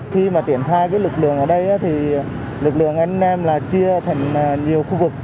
khi tiển thai lực lượng ở đây lực lượng anh em chia thành nhiều khu vực